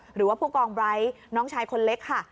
หรือว่าผู้กองไร้น้องชายคนเล็กค่ะ